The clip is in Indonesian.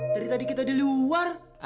dari tadi kita di luar